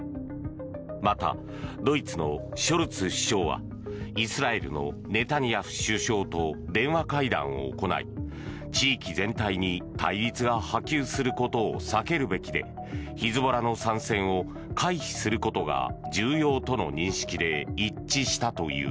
また、ドイツのショルツ首相はイスラエルのネタニヤフ首相と電話会談を行い地域全体に対立が波及することを避けるべきでヒズボラの参戦を回避することが重要との認識で一致したという。